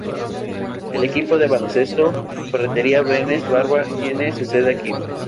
El equipo de baloncesto Ferretería Brenes Barva tiene su sede aquí.